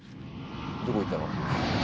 どこ行ったの？